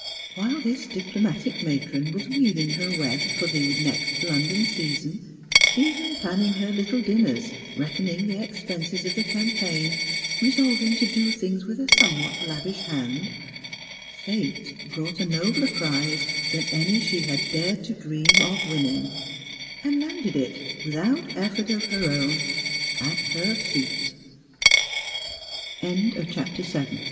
YV^hile this diplo matic matron was weaving her web for the next London season — even planning her little dinners, reckoning the expenses of the campaign, resolving to do thing* j with a somewhat lavish hand — Fate brought a nobler prize than any she had dared to dream of winning, and landed it, without etFort of